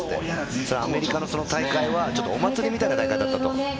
そのアメリカの大会はお祭りみたいな大会だった。